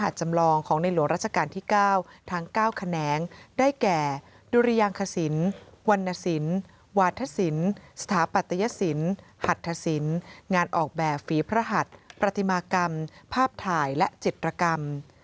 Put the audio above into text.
ทั้ง๙แขนงได้แก่ดุรียางขสินวรรณสินวาทศิลป์สถาปัตยศิลป์หัฐศิลป์งานออกแบบฝีพระหัฐปฏิมากรรมภาพถ่ายและจิตรกรรม